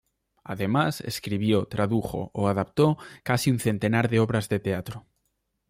Además, escribió, tradujo o adaptó casi un centenar de obras de teatro.